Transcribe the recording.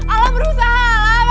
alam berusaha alam